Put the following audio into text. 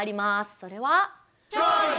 それは。